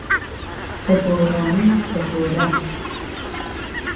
بە گۆرانی و بە هۆرە